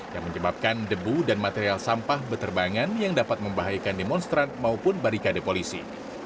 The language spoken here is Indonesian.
yang menyebabkan debu dan material sampah beterbangan yang dapat membahayakan demonstran maupun barikade polisi